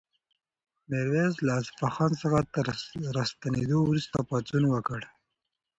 میرویس له اصفهان څخه تر راستنېدلو وروسته پاڅون وکړ.